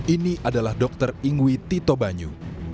ini adalah dokter ingwitito banyu